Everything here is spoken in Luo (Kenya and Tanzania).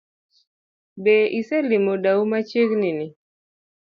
Be iselimo dau machiegni?